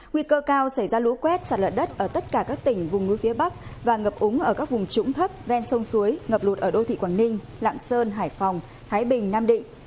nguy cơ cao xảy ra lũ quét sạt lở đất ở tất cả các tỉnh vùng núi phía bắc và ngập úng ở các vùng trũng thấp ven sông suối ngập lụt ở đô thị quảng ninh lạng sơn hải phòng thái bình nam định